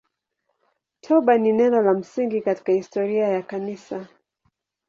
Toba ni neno la msingi katika historia ya Kanisa.